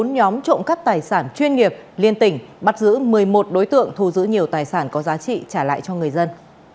bốn nhóm trộm cắp tài sản chuyên nghiệp liên tỉnh bắt giữ một mươi một đối tượng thù giữ nhiều tài sản có giá trị trả lại cho người dân